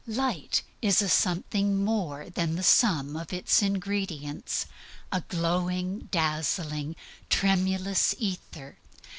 Light is a something more than the sum of its ingredients a glowing, dazzling, tremulous ether.